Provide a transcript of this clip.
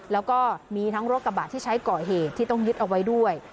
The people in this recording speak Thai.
แล้วก็มีทั้งรถกระบะที่ใช้ก่อเหตุที่ต้องยึดเอาไว้ด้วย